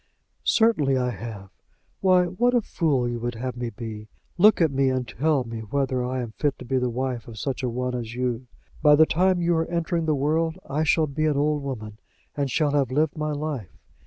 "Certainly I have. Why, what a fool you would have me be! Look at me, and tell me whether I am fit to be the wife of such a one as you. By the time you are entering the world, I shall be an old woman, and shall have lived my life.